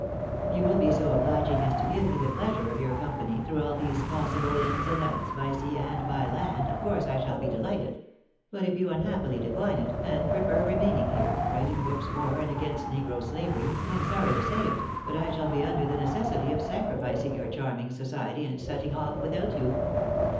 If you will be so obliging as to give me the pleasure of your company through all these possible ins and outs by sea and by land, of course I shall be delighted ; but if you unhappUy decline it, and prefer remaining here, writing books for and against negro slavery, I am sorry to say it, but I shall be under the necessity of sacrificing your charming society, and setting off without you."